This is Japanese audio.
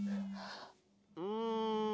うん。